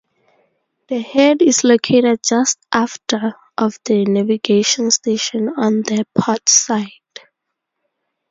The head is located just aft of the navigation station on the port side.